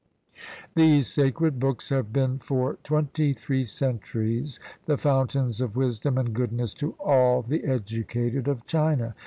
These sacred books have been for twenty three centuries the fountains of wisdom and goodness to all the educated of China.